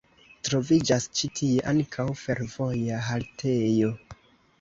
Troviĝas ĉi tie ankaŭ fervoja haltejo.